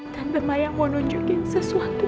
tante maya mau nunjukin sesuatu